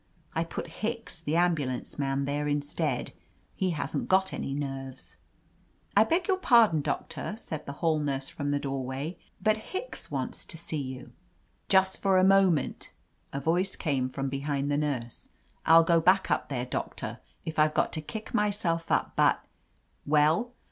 I put Hicks, the ambulance man, there instead. He hasn't any nerves." "I beg your pardon. Doctor," said the hall nurse, from the doorway. "But — Hicks wants to see you." "Just for a moment," a voice came from behind the nurse. "I'll go back up there, Doc tor, if I've got to kick myself up, but —" "Well?"